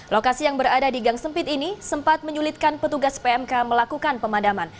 lokasi yang berada di gang sempit ini sempat menyulitkan petugas pmk melakukan pemadaman